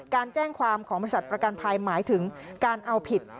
การแจ้งความของบริษัทประกันภัยหมายถึงการเอาผิด